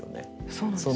そうなんですか？